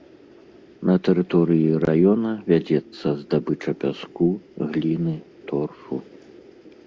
На тэрыторыі раёна вядзецца здабыча пяску, гліны, торфу.